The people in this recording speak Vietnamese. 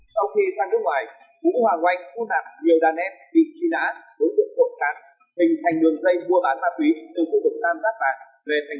sau khi sang nước ngoài vũ hoàng oanh thu nạp nhiều đàn em bị truy nã đối tượng tội phạm